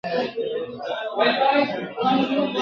زنګوله که نه وي ټوله کار ورانېږي !.